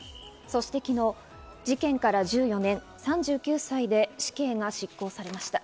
そして昨日、事件から１４年、３９歳で死刑が執行されました。